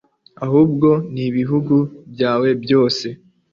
ahubwo ni ibihugu byawe byose